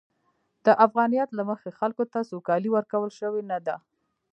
د افغانیت له مخې، خلکو ته سوکالي ورکول شوې نه ده.